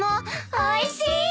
おいしい！